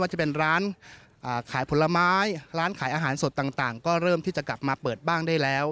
ว่าจะเป็นร้านขายผลไม้ร้านขายอาหารสดต่างก็เริ่มที่จะกลับมาเปิดบ้างได้แล้ว